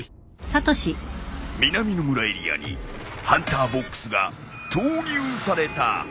南の村エリアにハンターボックスが投入された。